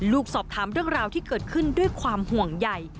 ลูกสอบถามเรื่องราวที่เกิดขึ้นด้วยความห่วงใหญ่